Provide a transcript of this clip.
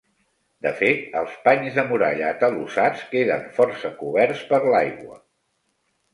De fet, els panys de muralla atalussats queden força coberts per l'aigua.